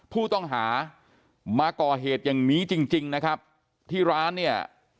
ผู้ต้องหามาก่อเหตุอย่างนี้จริงจริงนะครับที่ร้านเนี่ย